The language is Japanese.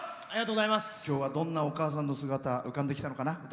きょうは、どんなお母さんの姿浮かんできたのかな